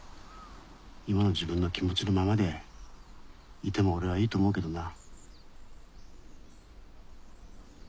今の自分の気持ちのままでいても俺はいいと思うけどな。